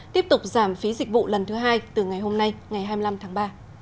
tiếp tục giảm phí dịch vụ lần thứ hai từ ngày hôm nay ngày hai mươi năm tháng ba